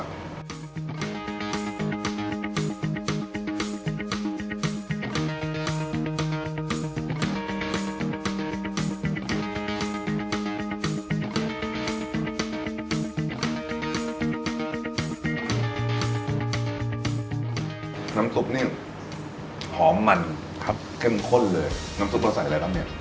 น้ำซุปนี่หอมมันเข้มข้นเลยน้ำซุปเราใส่อะไรครับเนี่ย